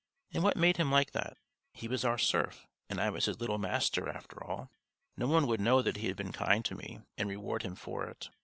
And what made him like that? He was our serf and I was his little master, after all. No one would know that he had been kind to me and reward him for it.